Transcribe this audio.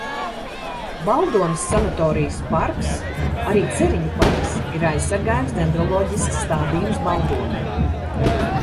Baldones sanatorijas parks, arī Ceriņu parks, ir aizsargājams dendroloģisks stādījums Baldonē.